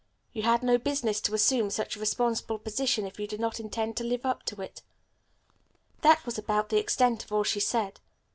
You had no business to assume such a responsible position if you did not intend to live up to it. "That's about the extent of all she said.